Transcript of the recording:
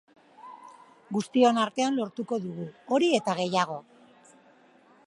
Guztion artean lortuko dugu hori eta gehiago.